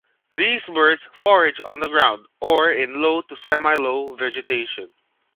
These birds forage on the ground or in low to semi-low vegetation.